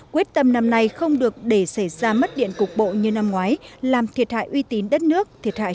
quyết tâm năm nay không được để xảy ra mất điện cục bộ như năm ngoái làm thiệt hại uy tín đất nước